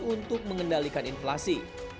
untuk mengendalikan inflasi